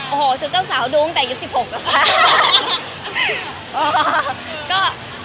โอ้โหชุดเจ้าสาวดูตั้งแต่อายุ๑๖แล้วค่ะ